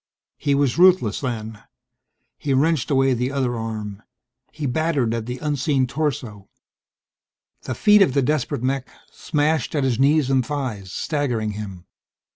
He was ruthless, then. He wrenched away the other arm. He battered at the unseen torso. The feet of the desperate mech smashed at his knees and thighs, staggering him.